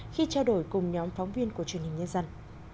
khi trao đổi cùng nhóm phóng viên của truyền hình nhân dân